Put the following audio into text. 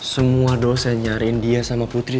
semua dosen nyariin dia sama putri